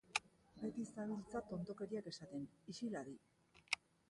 Beti zabiltza tontokeriak esaten! ixil hadi!